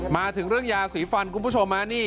มาถึงเรื่องยาสีฟันคุณผู้ชม